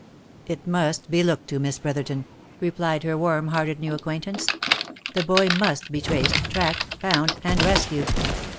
" It must be looked to, Miss Brotherton," replied her warm hearted new acquaintance. " The boy must be traced, tracked, found, and rescued.